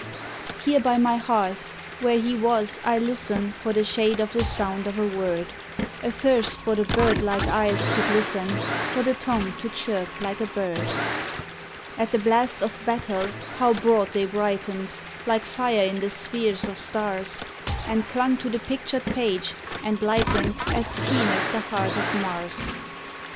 Here by my hearth where he was I listen For the shade of the sound of a word, Athirst for the birdlike eyes to glisten, For the tongue to chirp like a bird. At the blast of battle, how broad they brightened, Like fire in the spheres of stars, And clung to the pictured page, and lightened As keen as the heart of Mars!